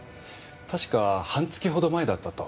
確か半月ほど前だったと。